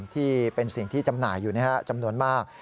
ที่เป็นสิ่งที่จำหน่ายอยู่จำนวนมาก